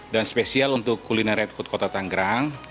dan spesial untuk kulineret kota tangerang